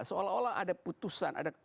seolah olah ada putusan